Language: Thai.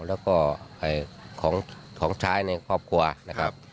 แล้วก็ของใช้ในครอบครัวนะครับ